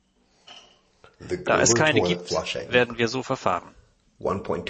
Da es keine gibt, werden wir so verfahren.